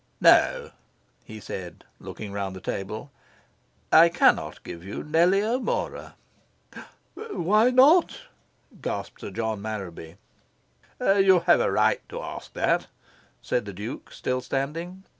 "No," he said, looking round the table, "I cannot give you Nellie O'Mora." "Why not?" gasped Sir John Marraby. "You have a right to ask that," said the Duke, still standing.